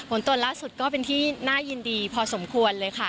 ตรวจล่าสุดก็เป็นที่น่ายินดีพอสมควรเลยค่ะ